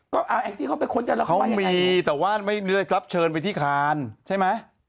คุณเขาก็เลยกลับเชิญไปที่คารใช่ไหม